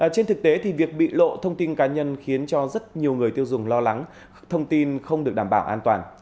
trên thực tế việc bị lộ thông tin cá nhân khiến cho rất nhiều người tiêu dùng lo lắng thông tin không được đảm bảo an toàn